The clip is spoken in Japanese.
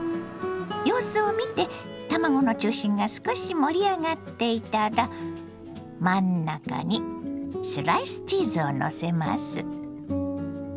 様子を見て卵の中心が少し盛り上がっていたら真ん中にスライスチーズをのせます。